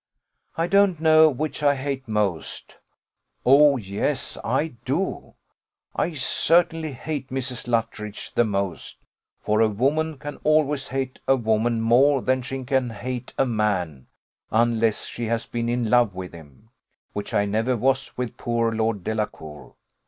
I don't know which I hate most O, yes, I do I certainly hate Mrs. Luttridge the most; for a woman can always hate a woman more than she can hate a man, unless she has been in love with him, which I never was with poor Lord Delacour.